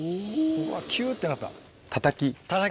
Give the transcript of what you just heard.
うわキュってなった。